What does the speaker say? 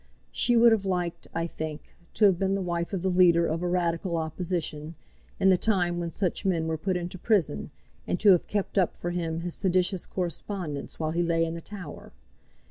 She would have liked, I think, to have been the wife of the leader of a Radical opposition, in the time when such men were put into prison, and to have kept up for him his seditious correspondence while he lay in the Tower.